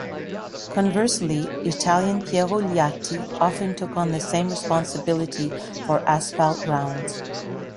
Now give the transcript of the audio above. Conversely, Italian Piero Liatti often took on the same responsibility for asphalt rounds.